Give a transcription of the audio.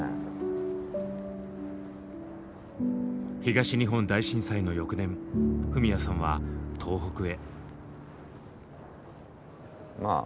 東日本大震災の翌年フミヤさんは東北へ。